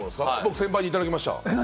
先輩にいただきました。